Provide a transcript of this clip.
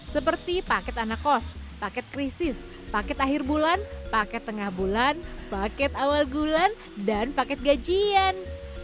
seperti paket anak kos paket krisis paket akhir bulan paket tengah bulan paket awal bulan dan paket gajian